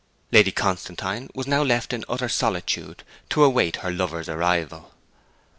Lady Constantine was now left in utter solitude to await her lover's arrival.